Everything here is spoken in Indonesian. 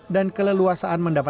dan keleluasaan dunia